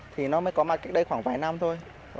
thì nó mới có mặt cách đây khoảng vài năm thôi